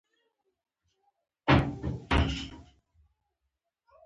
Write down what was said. په ګاډیو پسې یې چرګان، هیلۍ ګانې او نور څاروي تړلي و.